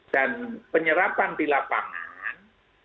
dan penyerapan di lapangan